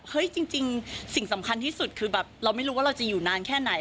จริงสิ่งสำคัญที่สุดคือแบบเราไม่รู้ว่าเราจะอยู่นานแค่ไหน